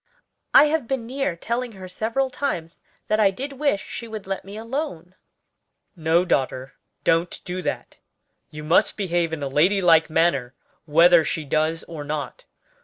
I have been near telling her several times that I did wish she would let me alone." "No, daughter, don't do that. You must behave in a lady like manner whether she does or not.